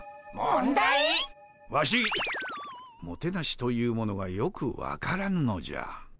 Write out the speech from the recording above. ワシ「もてなし」というものがよく分からぬのじゃ。